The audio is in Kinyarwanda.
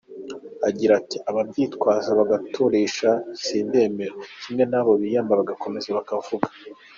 Agira ati :”Ababyitwaza bagaturisha bo simbemera, kimwe n’abo biyama bagakomeza bakavuga.